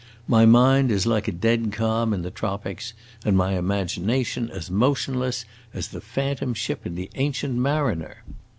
My mind is like a dead calm in the tropics, and my imagination as motionless as the phantom ship in the Ancient Mariner!"